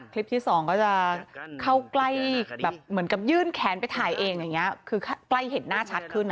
ที่สองก็จะเข้าใกล้แบบเหมือนกับยื่นแขนไปถ่ายเองอย่างนี้คือใกล้เห็นหน้าชัดขึ้น